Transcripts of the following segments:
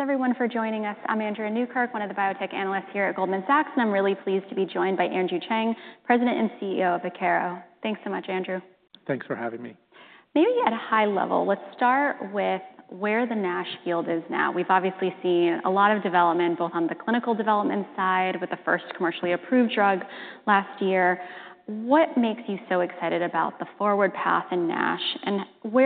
Thanks, everyone, for joining us. I'm Andrea Newkirk, one of the Biotech Analysts here at Goldman Sachs, and I'm really pleased to be joined by Andrew Cheng, President and CEO of Akero. Thanks so much, Andrew. Thanks for having me. Maybe at a high level, let's start with where the NASH field is now. We've obviously seen a lot of development, both on the clinical development side with the first commercially approved drug last year. What makes you so excited about the forward path in NASH, and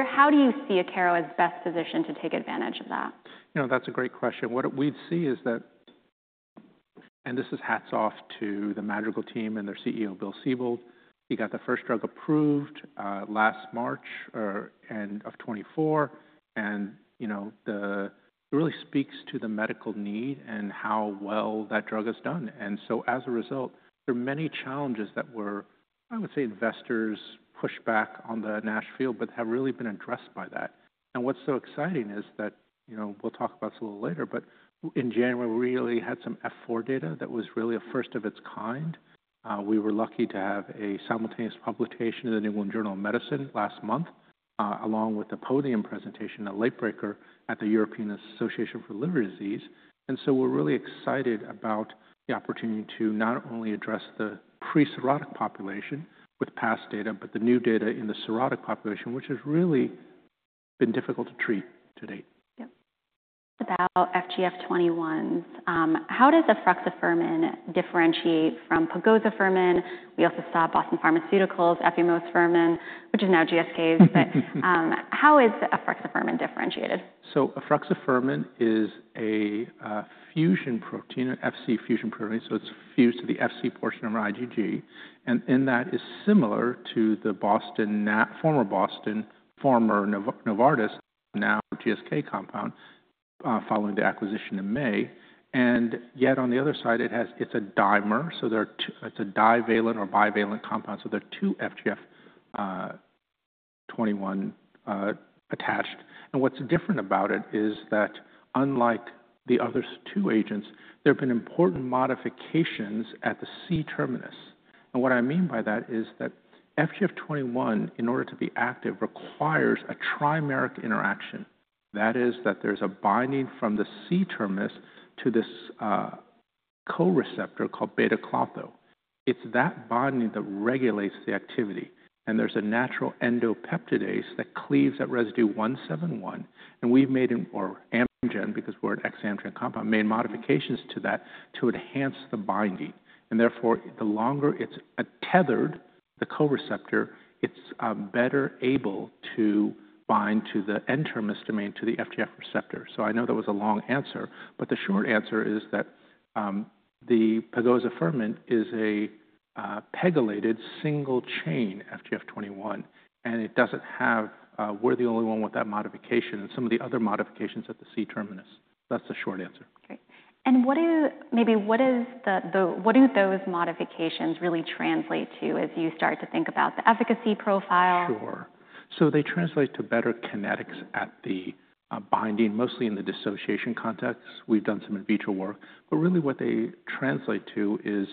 how do you see Akero as best positioned to take advantage of that? You know, that's a great question. What we'd see is that, and this is hats off to the Madrigal team and their CEO, Bill Sibold. He got the first drug approved last March of 2024, and you know, it really speaks to the medical need and how well that drug has done. As a result, there are many challenges that were, I would say, investors' pushback on the NASH field, but have really been addressed by that. What's so exciting is that, you know, we'll talk about this a little later, but in January, we really had some F4 data that was really a first of its kind. We were lucky to have a simultaneous publication in the New Journal of Medicine last month, along with a podium presentation at Late-breaker at the European Association for Liver Disease. We're really excited about the opportunity to not only address the pre-cirrhotic population with past data, but the new data in the cirrhotic population, which has really been difficult to treat to date. Yep. About FGF21s, how does efruxifermin differentiate from pegozafermin? We also saw Boston Pharmaceuticals' efimosfermin, which is now GSK's, but how is efruxifermin differentiated? Efruxifermin is a fusion protein, an Fc fusion protein, so it's fused to the Fc portion of our IgG, and in that is similar to the Boston, former Boston, former Novartis, now GSK compound following the acquisition in May. Yet on the other side, it's a dimer, so it's a divalent or bivalent compound, so there are two FGF21 attached. What's different about it is that, unlike the other two agents, there have been important modifications at the C-terminus. What I mean by that is that FGF21, in order to be active, requires a trimeric interaction. That is, that there's a binding from the C-terminus to this co-receptor called beta klotho. It's that binding that regulates the activity, and there's a natural endopeptidase that cleaves that residue 171, and we've made, or Amgen because we're an ex-Amgen compound, made modifications to that to enhance the binding. Therefore, the longer it is tethered to the co-receptor, it is better able to bind to the N-terminus domain to the FGF receptor. I know that was a long answer, but the short answer is that the pegozafermin is a pegylated single-chain FGF21, and it does not have, we are the only one with that modification and some of the other modifications at the C-terminus. That is the short answer. Great. What do, maybe what do those modifications really translate to as you start to think about the efficacy profile? Sure. They translate to better kinetics at the binding, mostly in the dissociation context. We've done some in vitro work, but really what they translate to is,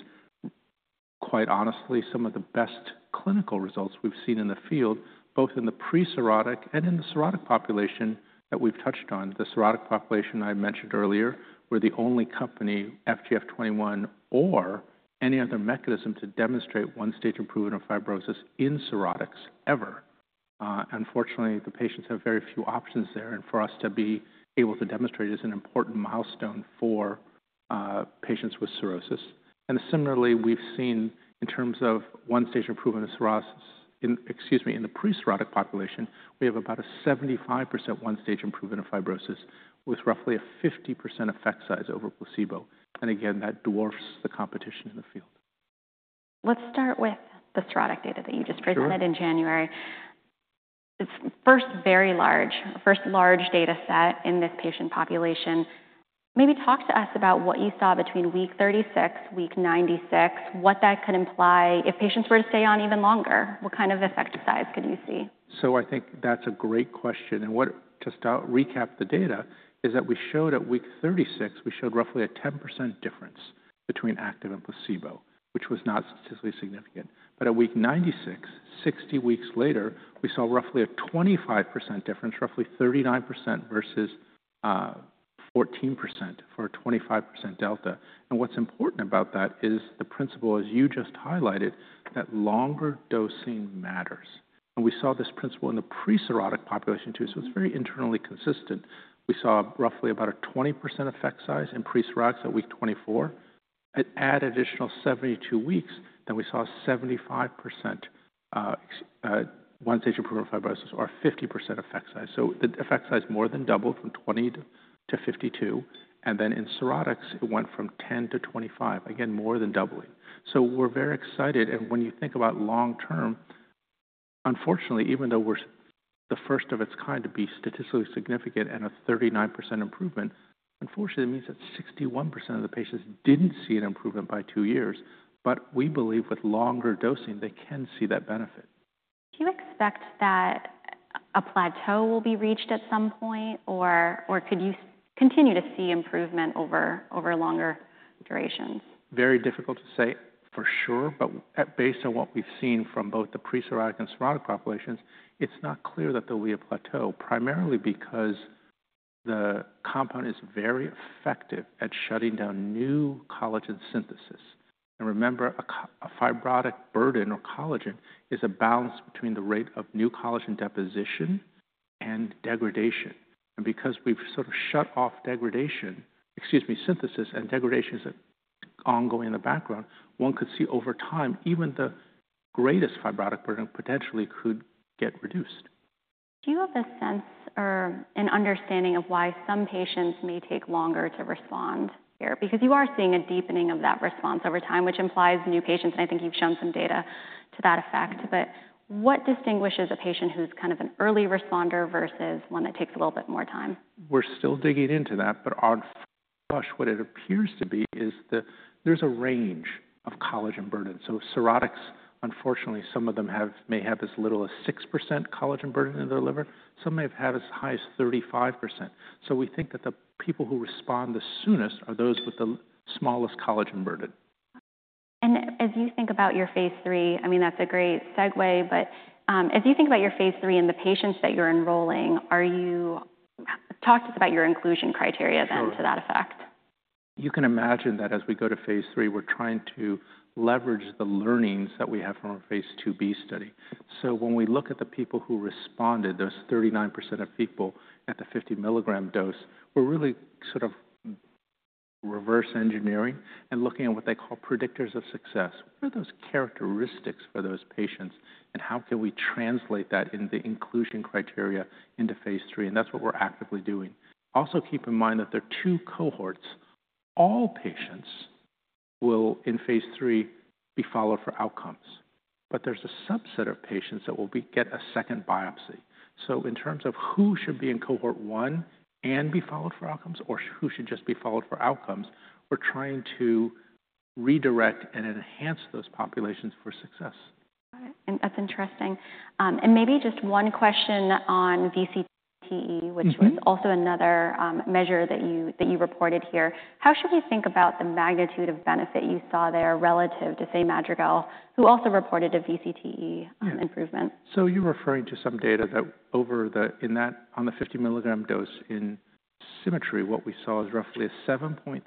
quite honestly, some of the best clinical results we've seen in the field, both in the pre-cirrhotic and in the cirrhotic population that we've touched on. The cirrhotic population I mentioned earlier, we're the only company, FGF21 or any other mechanism, to demonstrate one-stage improvement of fibrosis in cirrhotics ever. Unfortunately, the patients have very few options there, and for us to be able to demonstrate is an important milestone for patients with cirrhosis. Similarly, we've seen in terms of one-stage improvement in cirrhosis, excuse me, in the pre-cirrhotic population, we have about a 75% one-stage improvement of fibrosis with roughly a 50% effect size over placebo. Again, that dwarfs the competition in the field. Let's start with the cirrhotic data that you just presented in January. It's first very large, first large data set in this patient population. Maybe talk to us about what you saw between week 36, week 96, what that could imply if patients were to stay on even longer. What kind of effect size could you see? I think that's a great question. To recap the data, we showed at week 36, we showed roughly a 10% difference between active and placebo, which was not statistically significant. At week 96, 60 weeks later, we saw roughly a 25% difference, roughly 39% versus 14% for a 25% delta. What's important about that is the principle, as you just highlighted, that longer dosing matters. We saw this principle in the pre-cirrhotic population too, so it's very internally consistent. We saw roughly about a 20% effect size in pre-cirrhotics at week 24. At additional 72 weeks, then we saw 75% one-stage improvement of fibrosis or a 50% effect size. The effect size more than doubled from 20% to 52%, and then in cirrhotics, it went from 10% to 25%, again, more than doubling. We're very excited, and when you think about long-term, unfortunately, even though we're the first of its kind to be statistically significant and a 39% improvement, unfortunately, it means that 61% of the patients didn't see an improvement by two years, but we believe with longer dosing, they can see that benefit. Do you expect that a plateau will be reached at some point, or could you continue to see improvement over longer durations? Very difficult to say for sure, but based on what we've seen from both the pre-cirrhotic and cirrhotic populations, it's not clear that there will be a plateau, primarily because the compound is very effective at shutting down new collagen synthesis. Remember, a fibrotic burden or collagen is a balance between the rate of new collagen deposition and degradation. Because we've sort of shut off synthesis and degradation is ongoing in the background, one could see over time, even the greatest fibrotic burden potentially could get reduced. Do you have a sense or an understanding of why some patients may take longer to respond here? Because you are seeing a deepening of that response over time, which implies new patients, and I think you've shown some data to that effect, but what distinguishes a patient who's kind of an early responder versus one that takes a little bit more time? We're still digging into that, but on fresh, what it appears to be is that there's a range of collagen burden. Cirrhotics, unfortunately, some of them may have as little as 6% collagen burden in their liver. Some may have as high as 35%. We think that the people who respond the soonest are those with the smallest collagen burden. As you think about your phase III, I mean, that's a great segue, but as you think about your phase III and the patients that you're enrolling, are you, talk to us about your inclusion criteria then to that effect? Sure. You can imagine that as we go to phase III, we're trying to leverage the learnings that we have from our phase II-B study. When we look at the people who responded, those 39% of people at the 50 mg dose, we're really sort of reverse engineering and looking at what they call predictors of success. What are those characteristics for those patients, and how can we translate that into the inclusion criteria into phase III? That is what we're actively doing. Also, keep in mind that there are two cohorts. All patients will, in phase III, be followed for outcomes, but there's a subset of patients that will get a second biopsy. In terms of who should be in cohort one and be followed for outcomes, or who should just be followed for outcomes, we're trying to redirect and enhance those populations for success. Got it. That's interesting. Maybe just one question on VCTE, which was also another measure that you reported here. How should we think about the magnitude of benefit you saw there relative to, say, Madrigal, who also reported a VCTE improvement? You're referring to some data that over the, in that, on the 50 mg dose in SYMMETRY, what we saw is roughly a 7.3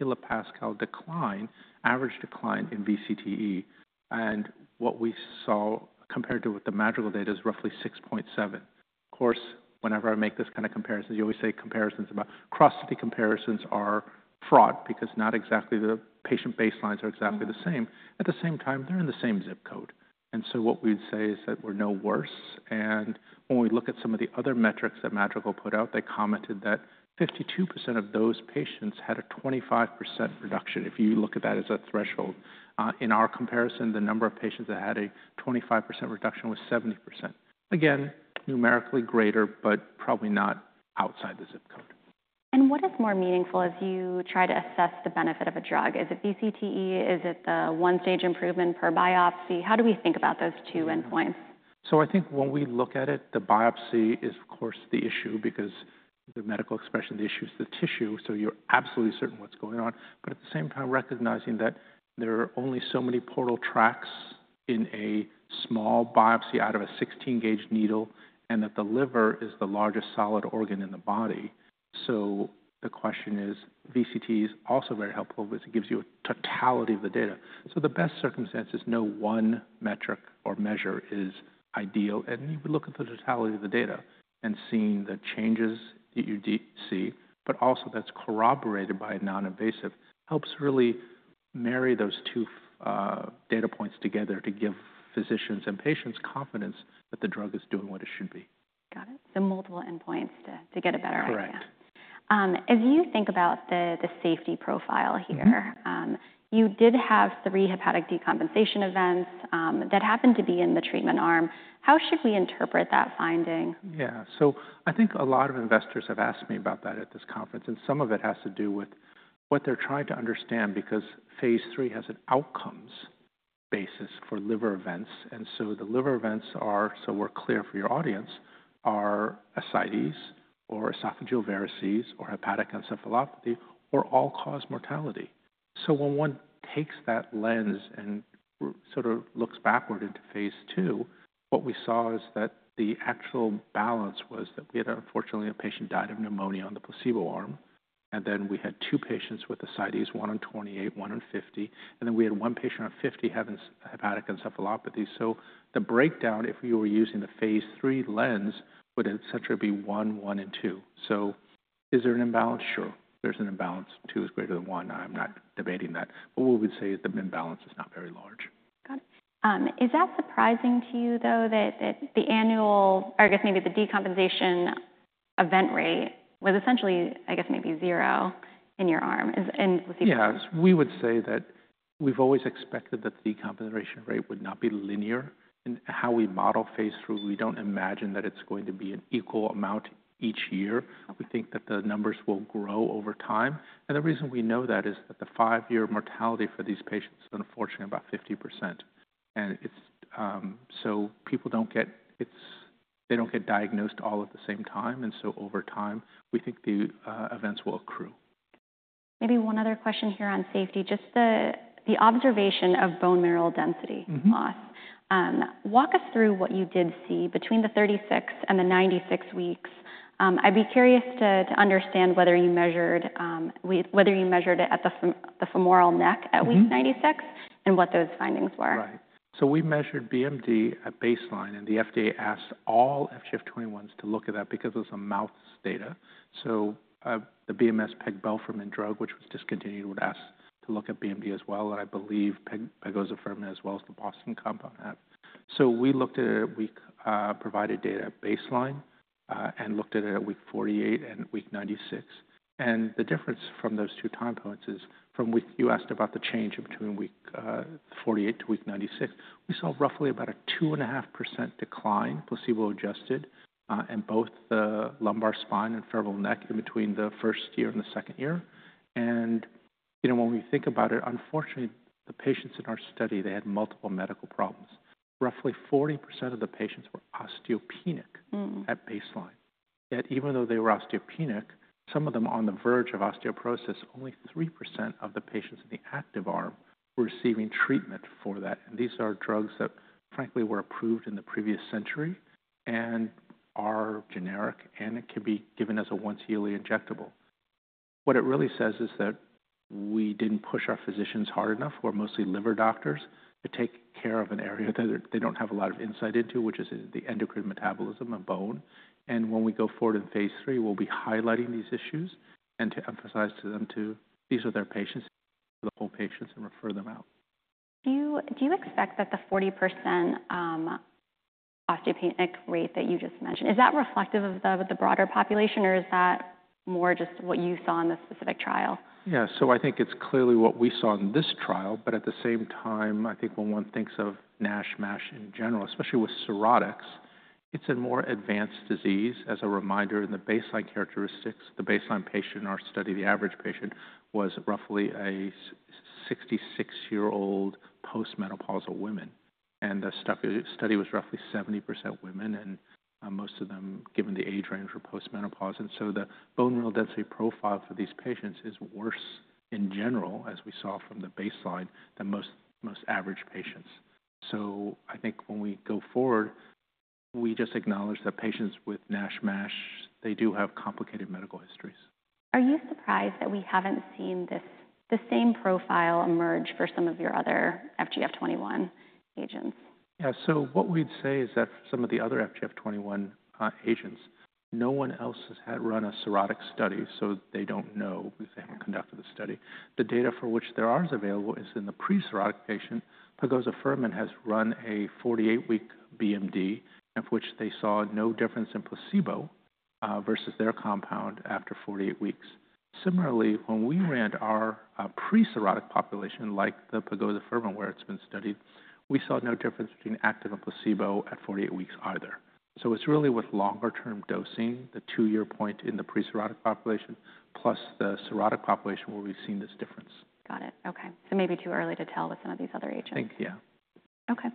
kPa decline, average decline in VCTE, and what we saw compared to with the Madrigal data is roughly 6.7 kPa. Of course, whenever I make this kind of comparisons, you always say comparisons about cross-study comparisons are fraught because not exactly the patient baselines are exactly the same. At the same time, they're in the same zip code. What we'd say is that we're no worse. When we look at some of the other metrics that Madrigal put out, they commented that 52% of those patients had a 25% reduction. If you look at that as a threshold, in our comparison, the number of patients that had a 25% reduction was 70%. Again, numerically greater, but probably not outside the zip code. What is more meaningful as you try to assess the benefit of a drug? Is it VCTE? Is it the one-stage improvement per biopsy? How do we think about those two endpoints? I think when we look at it, the biopsy is, of course, the issue because the medical expression, the issue is the tissue, so you're absolutely certain what's going on. At the same time, recognizing that there are only so many portal tracts in a small biopsy out of a 16-gauge needle, and that the liver is the largest solid organ in the body. The question is, VCTE is also very helpful because it gives you a totality of the data. The best circumstance is no one metric or measure is ideal, and you would look at the totality of the data and seeing the changes that you see, but also that's corroborated by a non-invasive helps really marry those two data points together to give physicians and patients confidence that the drug is doing what it should be. Got it. Multiple endpoints to get a better idea. Correct. As you think about the safety profile here, you did have three hepatic decompensation events that happened to be in the treatment arm. How should we interpret that finding? Yeah. So I think a lot of investors have asked me about that at this conference, and some of it has to do with what they're trying to understand because phase III has an outcomes basis for liver events. The liver events are, so we're clear for your audience, ascites or esophageal varices or hepatic encephalopathy or all-cause mortality. When one takes that lens and sort of looks backward into phase II, what we saw is that the actual balance was that we had, unfortunately, a patient died of pneumonia on the placebo arm, and then we had two patients with ascites, one on 28, one on 50, and then we had one patient on 50 having hepatic encephalopathy. The breakdown, if you were using the phase III lens, would essentially be one, one, and two. Is there an imbalance? Sure. There's an imbalance. Two is greater than one. I'm not debating that, but what we would say is the imbalance is not very large. Got it. Is that surprising to you though, that the annual, or I guess maybe the decompensation event rate was essentially, I guess maybe zero in your arm and placebo? Yes. We would say that we've always expected that the decompensation rate would not be linear. How we model phase III, we don't imagine that it's going to be an equal amount each year. We think that the numbers will grow over time. The reason we know that is that the five-year mortality for these patients is unfortunately about 50%. People don't get, they don't get diagnosed all at the same time, and over time, we think the events will accrue. Maybe one other question here on safety. Just the observation of bone mineral density loss. Walk us through what you did see between the 36 and the 96 weeks. I'd be curious to understand whether you measured, whether you measured it at the femoral neck at week 96 and what those findings were. Right. We measured BMD at baseline, and the FDA asked all FGF21s to look at that because it was a mouse data. The BMS pegbelfermin drug, which was discontinued, was asked to look at BMD as well, and I believe pegozafermin as well as the Boston compound. We looked at it at baseline and looked at it at week 48 and week 96. The difference from those two time points is from week, you asked about the change between week 48 to week 96, we saw roughly about a 2.5% decline, placebo adjusted, in both the lumbar spine and femoral neck in between the first year and the second year. You know, when we think about it, unfortunately, the patients in our study, they had multiple medical problems. Roughly 40% of the patients were osteopenic at baseline. Yet even though they were osteopenic, some of them on the verge of osteoporosis, only 3% of the patients in the active arm were receiving treatment for that. These are drugs that frankly were approved in the previous century and are generic, and it can be given as a once yearly injectable. What it really says is that we did not push our physicians hard enough, who are mostly liver doctors, to take care of an area that they do not have a lot of insight into, which is the endocrine metabolism of bone. When we go forward in phase III, we will be highlighting these issues and to emphasize to them too, these are their patients, the whole patients, and refer them out. Do you expect that the 40% osteopenic rate that you just mentioned, is that reflective of the broader population, or is that more just what you saw in the specific trial? Yeah. I think it's clearly what we saw in this trial, but at the same time, I think when one thinks of NASH, MASH in general, especially with cirrhotics, it's a more advanced disease. As a reminder, in the baseline characteristics, the baseline patient in our study, the average patient, was roughly a 66-year-old postmenopausal woman. The study was roughly 70% women, and most of them, given the age range, were postmenopausal. The bone mineral density profile for these patients is worse in general, as we saw from the baseline, than most average patients. I think when we go forward, we just acknowledge that patients with NASH, MASH, they do have complicated medical histories. Are you surprised that we haven't seen the same profile emerge for some of your other FGF21 agents? Yeah. So what we'd say is that for some of the other FGF21 agents, no one else has run a Cirrhotic study, so they don't know because they haven't conducted the study. The data for which there are available is in the pre-cirrhotic patient. Pegozafermin has run a 48-week BMD, of which they saw no difference in placebo versus their compound after 48 weeks. Similarly, when we ran our pre-cirrhotic population, like the pegozafermin, where it's been studied, we saw no difference between active and placebo at 48 weeks either. It is really with longer-term dosing, the two-year point in the pre-cirrhotic population, plus the cirrhotic population where we've seen this difference. Got it. Okay. So maybe too early to tell with some of these other agents. I think, yeah. Okay.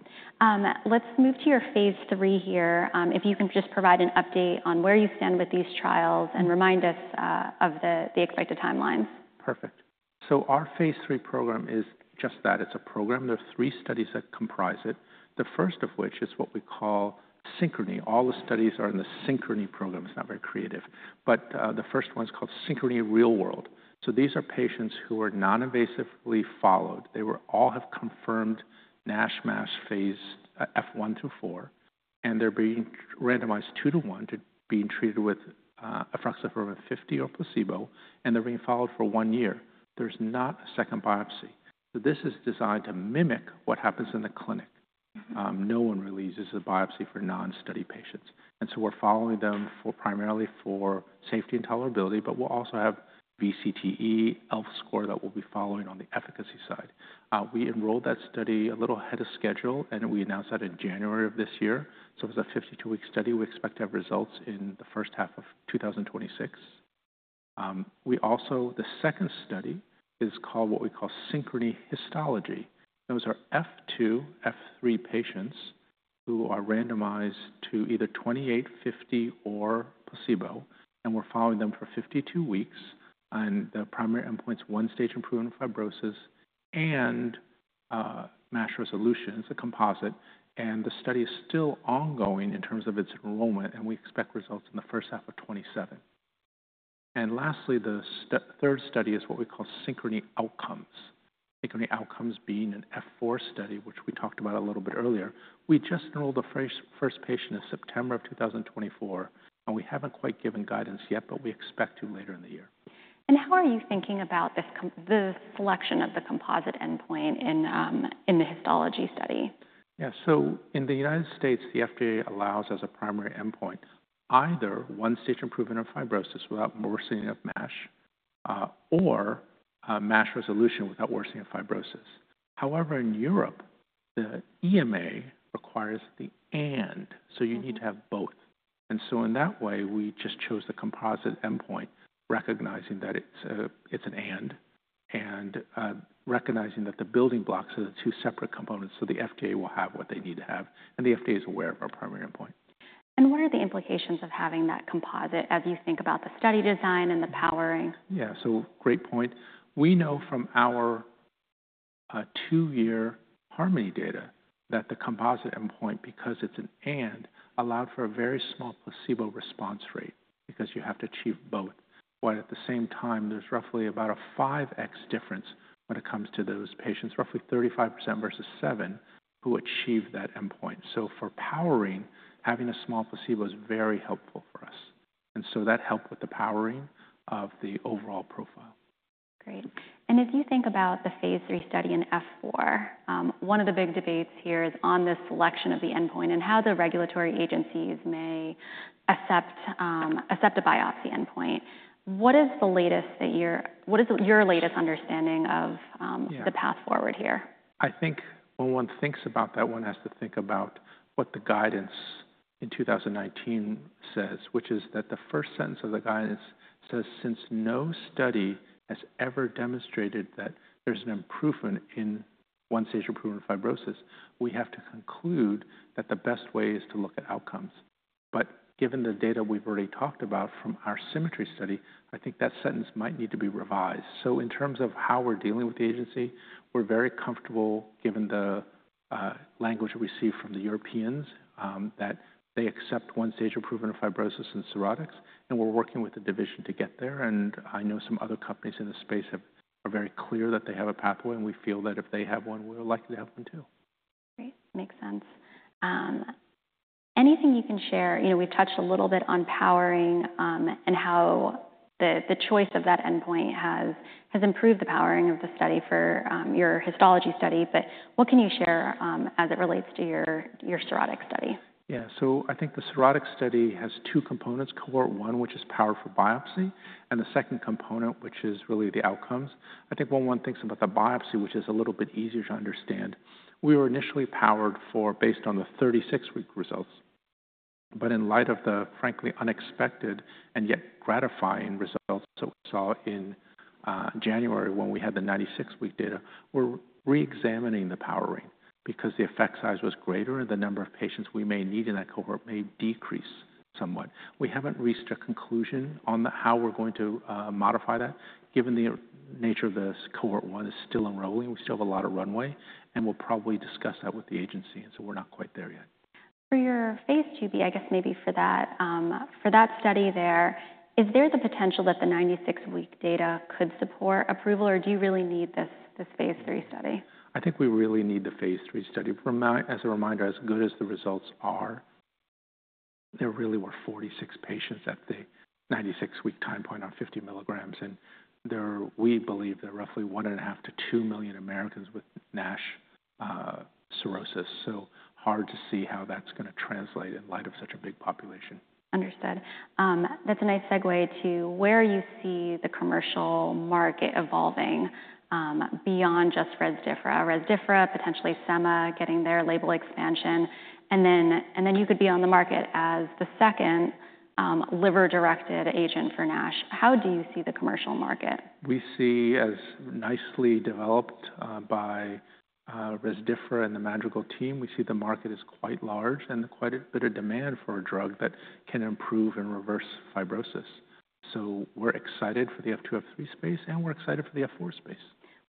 Let's move to your phase III here. If you can just provide an update on where you stand with these trials and remind us of the expected timelines. Perfect. Our phase III program is just that. It is a program. There are three studies that comprise it, the first of which is what we call SYNCHRONY. All the studies are in the SYNCHRONY program. It is not very creative. The first one is called SYNCHRONY Real-World. These are patients who are non-invasively followed. They all have confirmed NASH, MASH, phase F1 through four, and they are being randomized two to one to being treated with efruxifermin 50 mg or placebo, and they are being followed for one year. There is not a second biopsy. This is designed to mimic what happens in the clinic. No one releases a biopsy for non-study patients. We are following them primarily for safety and tolerability, but we will also have VCTE, ELF score that we will be following on the efficacy side. We enrolled that study a little ahead of schedule, and we announced that in January of this year. It was a 52-week study. We expect to have results in the first half of 2026. Also, the second study is called what we call SYNCHRONY Histology. Those are F2, F3 patients who are randomized to either 28, 50, or placebo, and we're following them for 52 weeks. The primary endpoint is one-stage improvement fibrosis and MASH resolution as a composite. The study is still ongoing in terms of its enrollment, and we expect results in the first half of 2027. Lastly, the third study is what we call SYNCHRONY Outcomes. SYNCHRONY Outcomes being an F4 study, which we talked about a little bit earlier. We just enrolled the first patient in September of 2024, and we haven't quite given guidance yet, but we expect to later in the year. How are you thinking about the selection of the composite endpoint in the Histology study? Yeah. In the United States, the FDA allows as a primary endpoint either one-stage improvement of fibrosis without worsening of MASH or MASH resolution without worsening of fibrosis. However, in Europe, the EMA requires the and, so you need to have both. In that way, we just chose the composite endpoint, recognizing that it is an and and recognizing that the building blocks are the two separate components. The FDA will have what they need to have, and the FDA is aware of our primary endpoint. What are the implications of having that composite as you think about the study design and the powering? Yeah. So great point. We know from our two-year HARMONY data that the composite endpoint, because it's an and, allowed for a very small placebo response rate because you have to achieve both. While at the same time, there's roughly about a 5x difference when it comes to those patients, roughly 35% versus 7% who achieve that endpoint. For powering, having a small placebo is very helpful for us. That helped with the powering of the overall profile. Great. If you think about the phase III study in F4, one of the big debates here is on this selection of the endpoint and how the regulatory agencies may accept a biopsy endpoint. What is your latest understanding of the path forward here? I think when one thinks about that, one has to think about what the guidance in 2019 says, which is that the first sentence of the guidance says, "Since no study has ever demonstrated that there's an improvement in one-stage improvement fibrosis, we have to conclude that the best way is to look at outcomes." Given the data we've already talked about from our SYNCHRONY study, I think that sentence might need to be revised. In terms of how we're dealing with the agency, we're very comfortable given the language we received from the Europeans that they accept one-stage improvement of fibrosis in cirrhotics, and we're working with the division to get there. I know some other companies in the space are very clear that they have a pathway, and we feel that if they have one, we're likely to have one too. Great. Makes sense. Anything you can share? You know, we've touched a little bit on powering and how the choice of that endpoint has improved the powering of the study for your Histology study, but what can you share as it relates to your Cirrhotic study? Yeah. I think the Cirrhotic study has two components: cohort one, which is powered for biopsy, and the second component, which is really the outcomes. I think when one thinks about the biopsy, which is a little bit easier to understand, we were initially powered for, based on the 36-week results, but in light of the frankly unexpected and yet gratifying results that we saw in January when we had the 96-week data, we're re-examining the powering because the effect size was greater and the number of patients we may need in that cohort may decrease somewhat. We haven't reached a conclusion on how we're going to modify that. Given the nature of this cohort one is still enrolling, we still have a lot of runway, and we'll probably discuss that with the agency. We're not quite there yet. For your phase II-B, I guess maybe for that, for that study there, is there the potential that the 96-week data could support approval, or do you really need this phase III study? I think we really need the phase III study. As a reminder, as good as the results are, there really were 46 patients at the 96-week time point on 50 mg, and we believe there are roughly 1.5 million to two million Americans with NASH cirrhosis. Hard to see how that's going to translate in light of such a big population. Understood. That's a nice segue to where you see the commercial market evolving beyond just Rezdiffra, Rezdiffra, potentially sema getting their label expansion. You could be on the market as the second liver-directed agent for NASH. How do you see the commercial market? We see, as nicely developed by Rezdiffra and the Madrigal team, we see the market is quite large and quite a bit of demand for a drug that can improve and reverse fibrosis. We are excited for the F2, F3 space, and we are excited for the F4 space.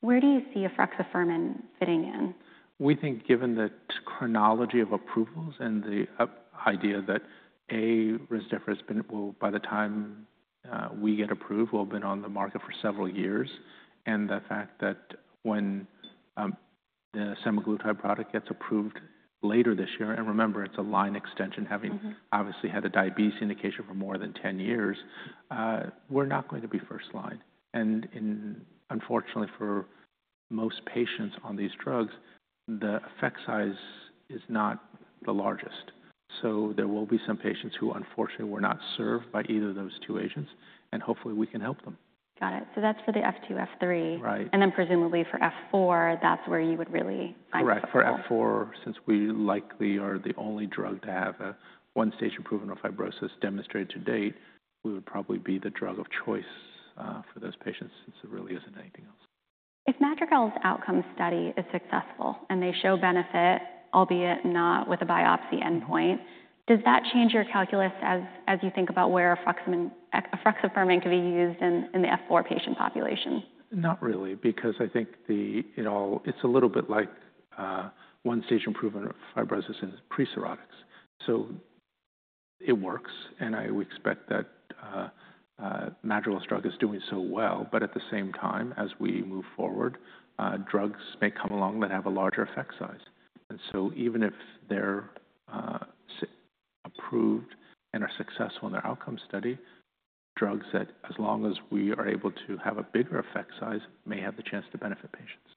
Where do you see efruxifermin fitting in? We think given the chronology of approvals and the idea that, A, Rezdiffra has been, well, by the time we get approved, will have been on the market for several years. The fact that when the semaglutide product gets approved later this year, and remember, it is a line extension, having obviously had a diabetes indication for more than 10 years, we are not going to be first line. Unfortunately, for most patients on these drugs, the effect size is not the largest. There will be some patients who unfortunately were not served by either of those two agents, and hopefully we can help them. Got it. So that's for the F2, F3. Right. Presumably for F4, that's where you would really find. Correct. For F4, since we likely are the only drug to have a one-stage improvement of fibrosis demonstrated to date, we would probably be the drug of choice for those patients since there really isn't anything else. If Madrigal's outcome study is successful and they show benefit, albeit not with a biopsy endpoint, does that change your calculus as you think about where efruxifermin could be used in the F4 patient population? Not really, because I think it's a little bit like one-stage improvement of fibrosis in pre-cirrhotics. It works, and I expect that Madrigal's drug is doing so well. At the same time, as we move forward, drugs may come along that have a larger effect size. Even if they're approved and are successful in their outcome study, drugs that, as long as we are able to have a bigger effect size, may have the chance to benefit patients.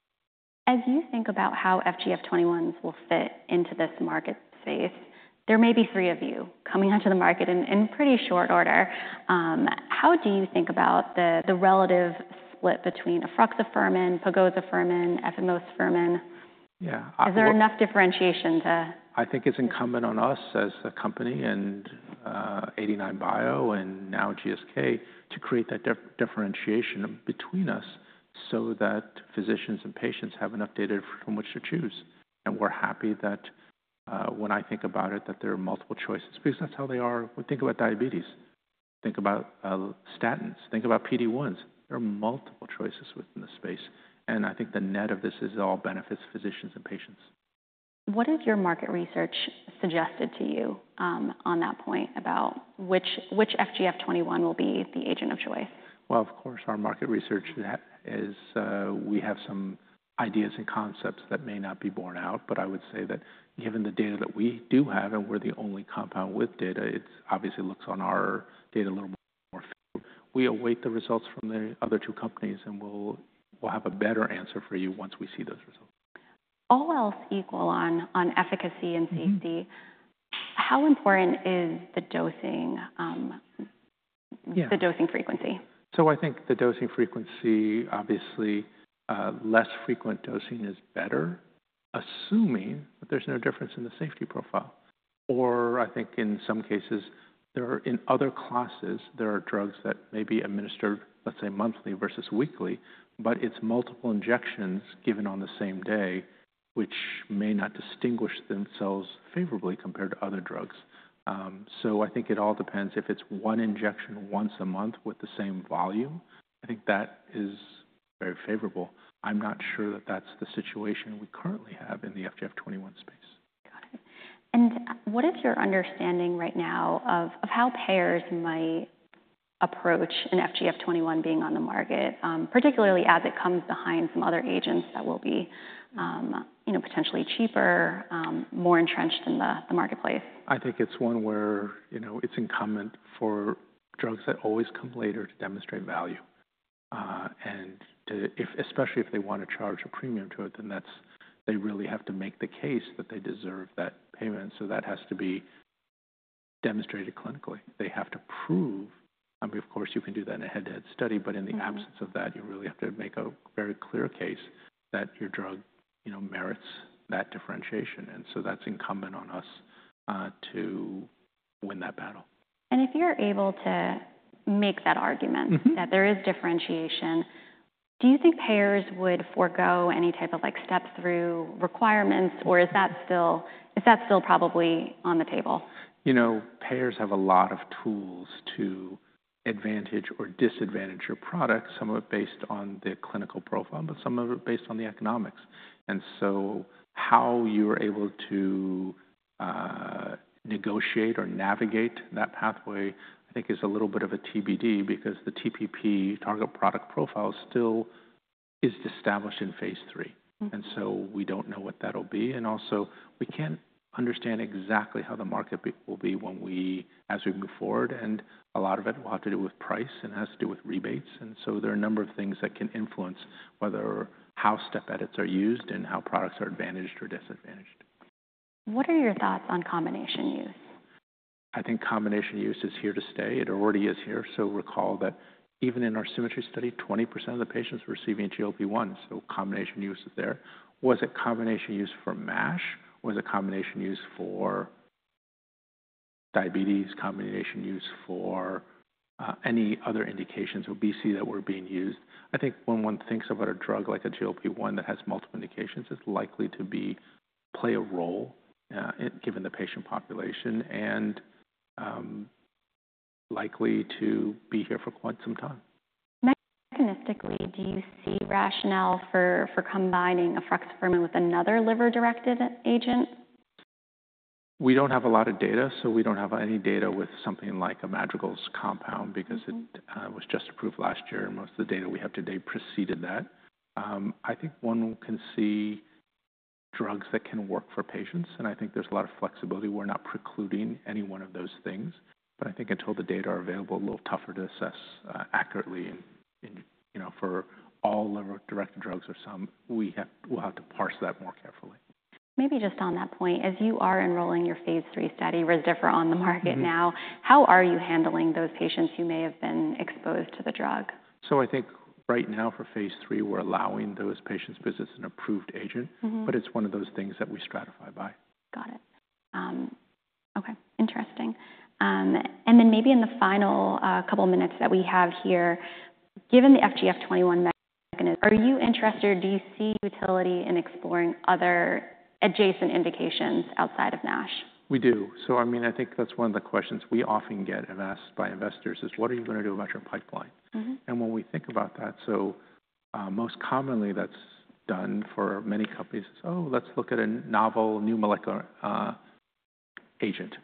As you think about how FGF21s will fit into this market space, there may be three of you coming onto the market in pretty short order. How do you think about the relative split between efruxifermin, pegozafermin, efimosfermin alfa? Yeah. Is there enough differentiation? I think it's incumbent on us as the company and 89bio and now GSK to create that differentiation between us so that physicians and patients have enough data from which to choose. We're happy that when I think about it, that there are multiple choices because that's how they are. We think about diabetes, think about statins, think about PD1s. There are multiple choices within the space. I think the net of this is all benefits physicians and patients. What has your market research suggested to you on that point about which FGF21 will be the agent of choice? Of course, our market research is we have some ideas and concepts that may not be borne out, but I would say that given the data that we do have and we're the only compound with data, it obviously looks on our data a little more fair. We await the results from the other two companies, and we'll have a better answer for you once we see those results. All else equal on efficacy and safety, how important is the dosing, the dosing frequency? I think the dosing frequency, obviously less frequent dosing is better, assuming that there's no difference in the safety profile. I think in some cases, there are in other classes, there are drugs that may be administered, let's say, monthly versus weekly, but it's multiple injections given on the same day, which may not distinguish themselves favorably compared to other drugs. I think it all depends. If it's one injection once a month with the same volume, I think that is very favorable. I'm not sure that that's the situation we currently have in the FGF21 space. Got it. What is your understanding right now of how payers might approach an FGF21 being on the market, particularly as it comes behind some other agents that will be potentially cheaper, more entrenched in the marketplace? I think it's one where it's incumbent for drugs that always come later to demonstrate value. Especially if they want to charge a premium to it, then they really have to make the case that they deserve that payment. That has to be demonstrated clinically. They have to prove, I mean, of course, you can do that in a head-to-head study, but in the absence of that, you really have to make a very clear case that your drug merits that differentiation. That's incumbent on us to win that battle. If you're able to make that argument that there is differentiation, do you think payers would forgo any type of step-through requirements, or is that still probably on the table? You know, payers have a lot of tools to advantage or disadvantage your product, some of it based on the clinical profile, but some of it based on the economics. How you're able to negotiate or navigate that pathway, I think, is a little bit of a TBD because the TPP Target Product Profile still is established in phase III. We do not know what that will be. We also cannot understand exactly how the market will be as we move forward. A lot of it will have to do with price and has to do with rebates. There are a number of things that can influence whether how step edits are used and how products are advantaged or disadvantaged. What are your thoughts on combination use? I think combination use is here to stay. It already is here. Recall that even in our SYNCHRONY study, 20% of the patients were receiving GLP-1. Combination use is there. Was it combination use for MASH? Was it combination use for diabetes? Combination use for any other indications, obesity that were being used? I think when one thinks about a drug like a GLP-1 that has multiple indications, it is likely to play a role given the patient population and likely to be here for quite some time. Mechanistically, do you see rationale for combining efruxifermin with another liver-directed agent? We don't have a lot of data, so we don't have any data with something like Madrigal's compound because it was just approved last year. Most of the data we have today preceded that. I think one can see drugs that can work for patients, and I think there's a lot of flexibility. We're not precluding any one of those things, but I think until the data are available, it's a little tougher to assess accurately. For all liver-directed drugs or some, we'll have to parse that more carefully. Maybe just on that point, as you are enrolling your phase III study, Rezdiffra on the market now, how are you handling those patients who may have been exposed to the drug? I think right now for phase III, we're allowing those patients because it's an approved agent, but it's one of those things that we stratify by. Got it. Okay. Interesting. Maybe in the final couple of minutes that we have here, given the FGF21 mechanism, are you interested or do you see utility in exploring other adjacent indications outside of NASH? We do. I mean, I think that's one of the questions we often get asked by investors is, what are you going to do about your pipeline? When we think about that, most commonly that's done for many companies is, oh, let's look at a novel new molecular agent.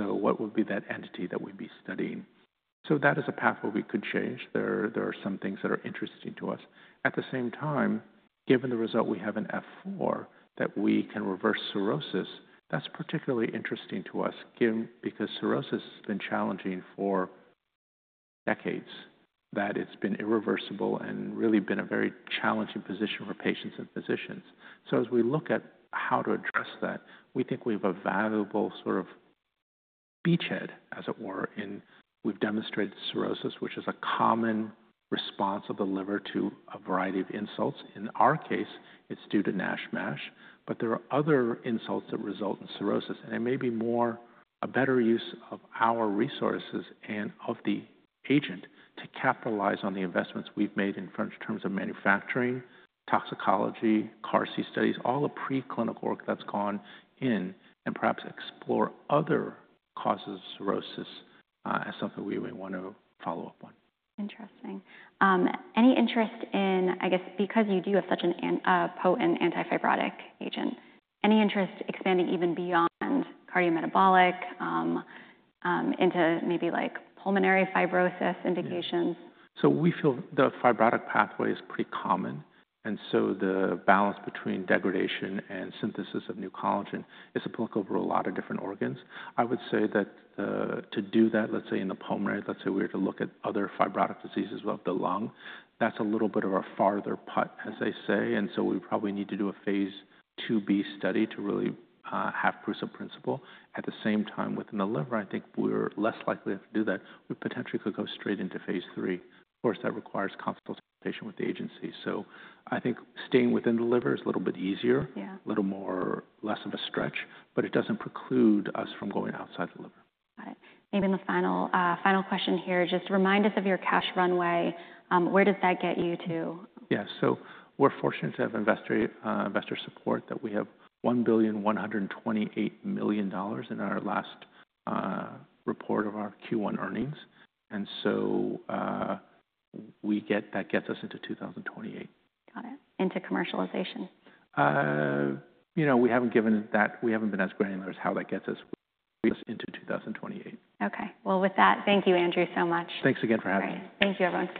What would be that entity that we'd be studying? That is a pathway we could change. There are some things that are interesting to us. At the same time, given the result we have in F4 that we can reverse cirrhosis, that's particularly interesting to us because cirrhosis has been challenging for decades, that it's been irreversible and really been a very challenging position for patients and physicians. As we look at how to address that, we think we have a valuable sort of beachhead, as it were, in we've demonstrated cirrhosis, which is a common response of the liver to a variety of insults. In our case, it's due to NASH, MASH, but there are other insults that result in cirrhosis. It may be a better use of our resources and of the agent to capitalize on the investments we've made in terms of manufacturing, toxicology, CAR-T studies, all the preclinical work that's gone in, and perhaps explore other causes of cirrhosis as something we may want to follow up on. Interesting. Any interest in, I guess, because you do have such a potent antifibrotic agent, any interest expanding even beyond cardiometabolic into maybe like pulmonary fibrosis indications? We feel the fibrotic pathway is pretty common. The balance between degradation and synthesis of new collagen is applicable for a lot of different organs. I would say that to do that, let's say in the pulmonary, let's say we were to look at other fibrotic diseases of the lung, that's a little bit of our farther putt, as they say. We probably need to do a phase II-B study to really have proof of principle. At the same time, within the liver, I think we're less likely to do that. We potentially could go straight into phase III. Of course, that requires consultation with the agency. I think staying within the liver is a little bit easier, a little more less of a stretch, but it doesn't preclude us from going outside the liver. Got it. Maybe the final question here, just remind us of your cash runway. Where does that get you to? Yeah. So we're fortunate to have investor support that we have $1,128 million in our last report of our Q1 earnings. That gets us into 2028. Got it. Into commercialization? You know, we haven't given that, we haven't been as granular as how that gets us into 2028. Okay. With that, thank you, Andrew, so much. Thanks again for having me. Thank you, everyone.